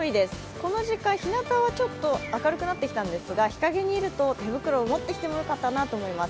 この時間、ひなたはちょっと明るくなってきたんですが、日陰にいると手袋を持ってきてもよかったなと思います。